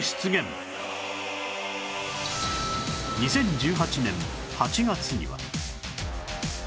２０１８年８月には